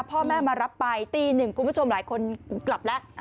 พ่อแม่มารับไปตีหนึ่งคุณผู้ชมหลายคนกลับแล้ว